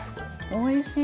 おいしい。